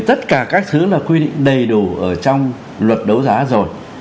tất cả các thứ là quy định đầy đủ ở trong luật đấu giá rồi